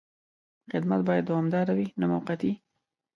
خدمت باید دوامداره وي، نه موقتي.